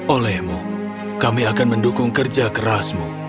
olehmu kami akan mendukung kerja kerasmu